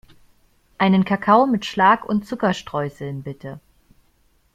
Einen Kakao mit Schlag und Zuckerstreuseln, bitte.